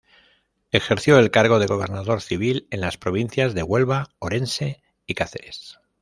Ejerció el cargo de gobernador civil en las provincias de Huelva, Orense y Cáceres.